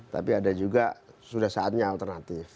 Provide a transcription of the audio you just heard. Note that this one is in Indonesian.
tapi ada juga sudah saatnya alternatif